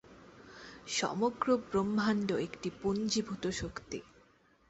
সমগ্র ব্রহ্মাণ্ড একটি পুঞ্জীভূত শক্তি।